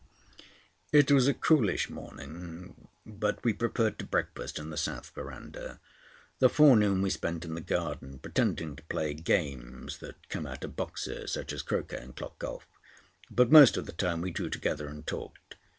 It was a coolish morning, but we preferred to breakfast in the south verandah. The forenoon we spent in the garden, pretending to play games that come out of boxes, such as croquet and clock golf. But most of the time we drew together and talked.